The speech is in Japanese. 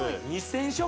２０００食？